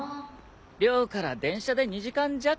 寮から電車で２時間弱。